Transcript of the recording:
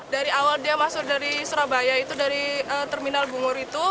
dari awal dia masuk dari surabaya itu dari terminal bungur itu